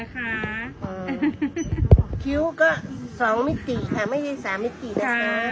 เออคิ้วก็สวย